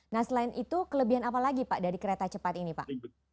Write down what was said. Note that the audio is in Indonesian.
nah selain itu kelebihan apa lagi pak dari kereta cepat ini pak